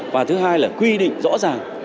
và thứ hai là quy định rõ ràng